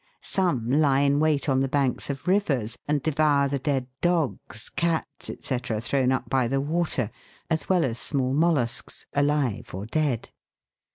Some lie in wait on the banks of rivers, and devour the dead dogs, cats, &c., thrown up by the water, as well as small mollusks, alive or dead.